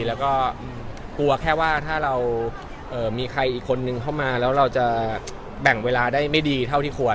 แล้วก็กลัวแค่ว่าถ้าเรามีใครอีกคนนึงเข้ามาแล้วเราจะแบ่งเวลาได้ไม่ดีเท่าที่ควร